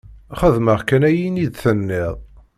Xedmeɣ kan ayen i yi-d-tenniḍ.